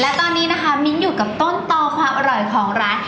และตอนนี้นะคะมิ้นอยู่กับต้นต่อความอร่อยของร้าน